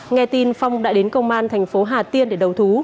nghe tin phong đã đến công an thành phố hà tiên để đầu thú